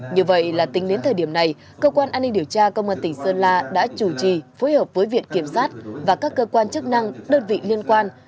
như vậy là tính đến thời điểm này cơ quan an ninh điều tra công an tỉnh sơn la đã chủ trì phối hợp với viện kiểm sát và các cơ quan chức năng đơn vị liên quan